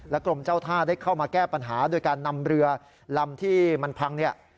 กรมเจ้าท่าได้เข้ามาแก้ปัญหาโดยการนำเรือลำที่มันพังเนี่ย